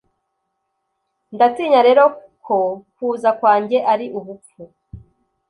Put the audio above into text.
Ndatinya rero ko kuza kwanjye ari ubupfu